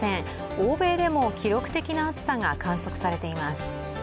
欧米でも記録的な暑さが観測されています。